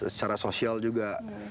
secara sosial juga